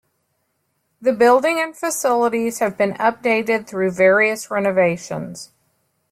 The building and facilities have been updated through various renovations.